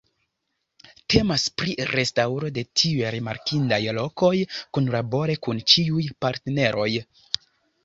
Temas pri restaŭro de tiuj rimarkindaj lokoj kunlabore kun ĉiuj partneroj.